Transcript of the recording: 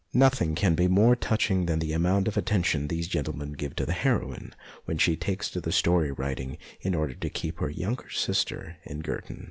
Nothing can be more touching than the amount of attention these gentlemen give to the heroine when she takes to story writing in order to keep her younger sister at Girton.